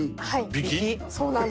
はいそうなんです。